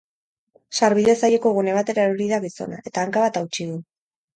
Sarbide zaileko gune batera erori da gizona, eta hanka bat hautsi du.